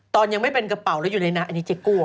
ตอนยังไม่เป็นกระเป๋าแล้วอยู่ในนั้นอันนี้เจ๊กลัว